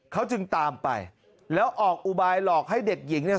เขาจึงตามไปแล้วออกอุบายหลอกให้เด็กหญิงเนี่ย